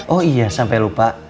oh iya sampai lupa